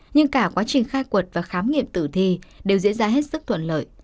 nhưng cả quá trình khai quật và khám nghiệm tử thi đều diễn ra hết sức thuận lợi